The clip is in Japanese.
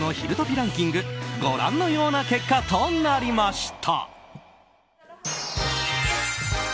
ランキングご覧のような結果となりました。